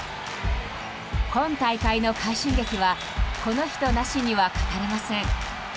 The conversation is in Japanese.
今大会の快進撃はこの人なしには語れません。